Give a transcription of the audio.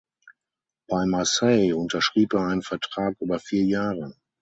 Bei Marseille unterschrieb er einen Vertrag über vier Jahre.